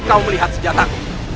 kau melihat senjataku